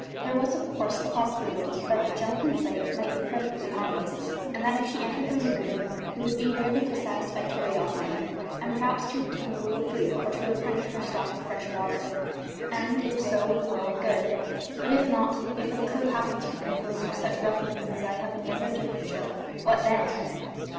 There was, of course, the possibility that the junk in sight might be perfectly harmless, and that if she entered the lagoon it would be merely to satisfy curiosity and perhaps to obtain a little fruit or to replenish her stock of fresh water; and, if so, well and good. But if not if her crew happened to be composed of such ruffians as I have endeavoured to picture, what then?